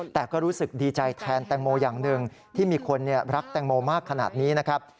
แต่ก็รู้สึกดีใจแทนแตงโมอย่างหนึ่งที่มีคนรักแตงโมมากขนาดนี้นะครับ